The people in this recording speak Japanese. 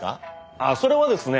あっそれはですね